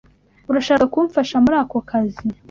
Urashaka kumfasha muri ako kazi?